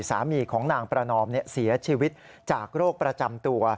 สามีของนางประนอมเสียชีวิตจากโรคประจำตัว